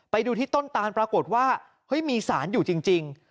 ไปดูที่ต้นตานปรากฏว่าเฮ้ยมีสารอยู่จริง